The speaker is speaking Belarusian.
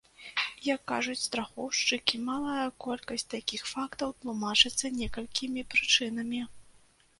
Як кажуць страхоўшчыкі, малая колькасць такіх фактаў тлумачыцца некалькімі прычынамі.